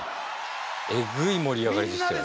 えぐい盛り上がりでしたよ。